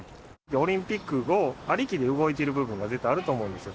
オリンピックをありきで動いている部分が、絶対あると思うんですよ。